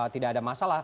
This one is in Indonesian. tidak ada masalah